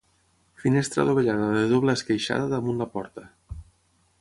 Finestra adovellada de doble esqueixada damunt la porta.